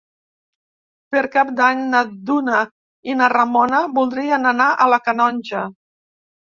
Per Cap d'Any na Duna i na Ramona voldrien anar a la Canonja.